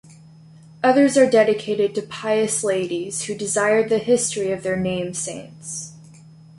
Others are dedicated to pious ladies who desired the history of their name-saints.